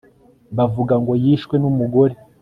bavuga ngo 'yishwe n'umugore